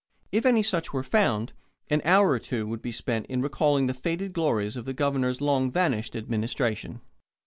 If any such were found, an hour or two would be spent in recalling the faded glories of the Governor's long vanished administration.